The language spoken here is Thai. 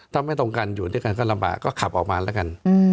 ถ้าไม่ตรงกันอยู่ด้วยกันก็ลำบากก็ขับออกมาแล้วกัน